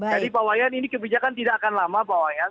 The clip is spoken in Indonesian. pak wayan ini kebijakan tidak akan lama pak wayan